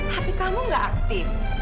hp kamu nggak aktif